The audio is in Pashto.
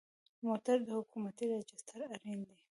موټر د حکومتي راجسټر اړین دی.